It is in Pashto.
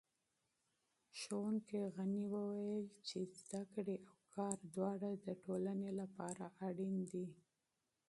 معلم غني وویل چې تعلیم او کار دواړه د ټولنې لپاره اړین دي.